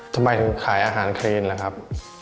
ทำไมถึงขายอาหารเครนล่ะครับ